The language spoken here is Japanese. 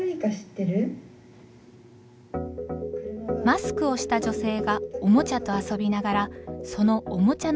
マスクをした女性がおもちゃと遊びながらそのおもちゃの名前を教えます。